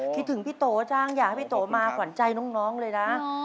คิดถึงพี่โถจ้างอย่างเวลาพี่โถมากว่าใจน้องเลยนะโอ้โฮ